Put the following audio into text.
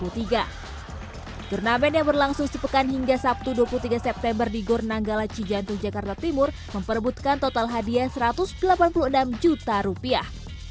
turnamen yang berlangsung sepekan hingga sabtu dua puluh tiga september di gor nanggala cijantu jakarta timur memperebutkan total hadiah satu ratus delapan puluh enam juta rupiah